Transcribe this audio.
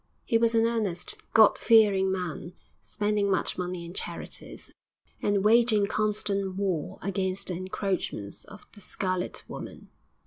He was an earnest, God fearing man, spending much money in charities, and waging constant war against the encroachments of the Scarlet Woman.